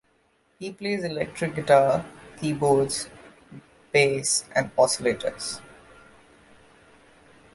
He plays electric guitar, keyboards, bass and oscillators.